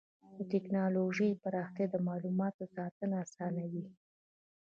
د ټکنالوجۍ پراختیا د معلوماتو ساتنه اسانوي.